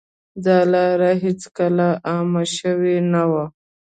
دا لاره هېڅکله عامه شوې نه ده.